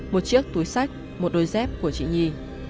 một chiếc túi sách một đôi dép của chị nhi